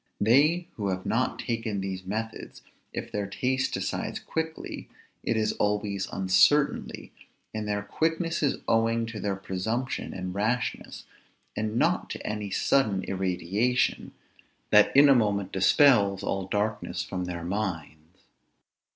They who have not taken these methods, if their taste decides quickly, it is always uncertainly; and their quickness is owing to their presumption and rashness, and not to any sudden irradiation, that in a moment dispels all darkness from their minds.